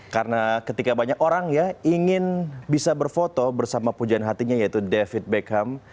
karena ketika banyak orang ya ingin bisa berfoto bersama pujian hatinya yaitu david beckham